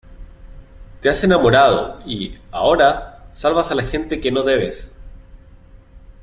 te has enamorado y, ahora , salvas a la gente que no debes.